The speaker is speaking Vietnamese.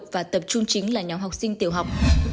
và tập trung chính là nhóm học sinh tiểu học